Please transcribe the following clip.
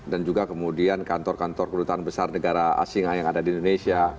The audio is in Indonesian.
dan juga kemudian kantor kantor kedutaan besar negara asing yang ada di indonesia